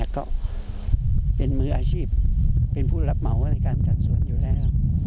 ก็เป็นมืออาชีพเป็นผู้รับเหมาในการจัดสวนอยู่แล้ว